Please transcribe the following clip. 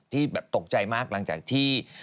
ที่แบบตกใจมากหลังจากที่